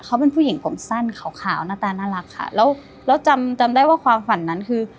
เขาเป็นผู้หญิงผมสั้นขาวขาวหน้าตาน่ารักค่ะแล้วแล้วจำจำได้ว่าความฝันนั้นคือ